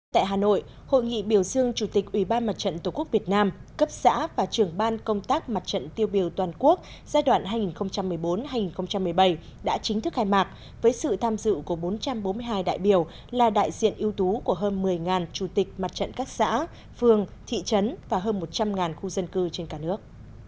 tại hà nội hội nghị biểu dương chủ tịch ủy ban mặt trận tổ quốc việt nam cấp xã và trường ban công tác mặt trận tiêu biểu toàn quốc giai đoạn hai nghìn một mươi bốn hai nghìn một mươi bảy đã chính thức khai mạc với sự tham dự của bốn trăm bốn mươi hai đại biểu là đại diện ưu tú của hơn một mươi chủ tịch mặt trận các xã phường thị trấn và hơn một trăm linh khu dân cư trên cả nước